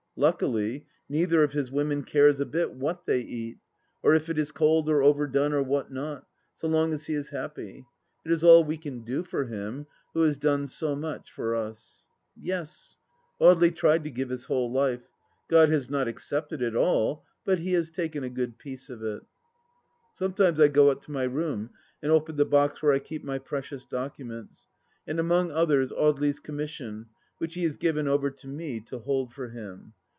Luckily, neither of his women cares a bit what they eat, or if it is cold or overdone or what not, so long as he is happy. It is all we can do for him, who has done so much for us. Yes ; Audely tried to give his whole life. God has not accepted it all ; but He has taken a good piece of it. Sometimes I go up to my room and open the box where I keep my precious documents, and among others Audely's Commission, which he has given over to me to hold for him.